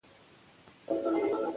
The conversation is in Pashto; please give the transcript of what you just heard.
اداري نظام د خدمت لپاره رامنځته شوی.